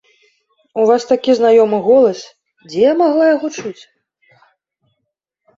У вас такі знаёмы голас, дзе я магла яго чуць?